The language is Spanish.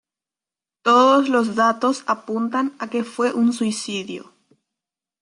Todos los datos apuntan a que fue un suicidio.